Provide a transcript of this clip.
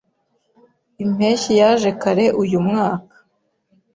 Impeshyi yaje kare uyu mwaka.